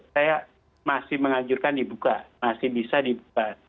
saya masih mengajurkan dibuka masih bisa dibuka